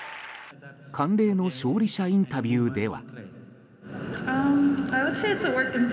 慣例の勝利者インタビューでは。